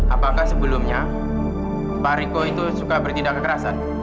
apakah sebelumnya pak riko itu suka bertindak kekerasan